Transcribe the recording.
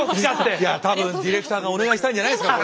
いや多分ディレクターがお願いしたんじゃないですか？